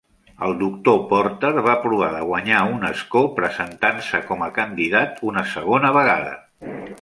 El doctor Porter va provar de guanyar un escó presentant-se com a candidat una segona vegada.